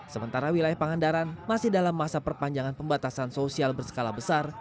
sementara wilayah pangandaran masih dalam masa perpanjangan pembatasan sosial berskala besar